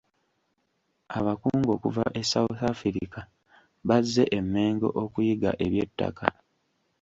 Abakungu okuva e South Africa bazze e Mengo okuyiga eby'ettaka.